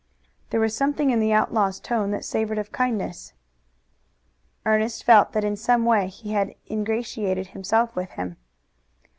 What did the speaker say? There was something in the outlaw's tone that savored of kindness. Ernest felt that in some way he had ingratiated himself with him.